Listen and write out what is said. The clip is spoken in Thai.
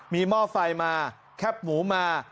มีหม้อไฟมาแคบหมูมา